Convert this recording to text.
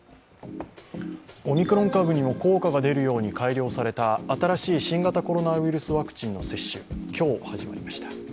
オミクロン株にも効果が出るように改良された新しい新型コロナウイルスワクチンの接種、今日、始まりました。